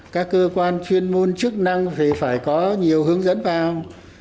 các cơ quan chuyên môn chức năng phải có nhiều hướng dẫn vào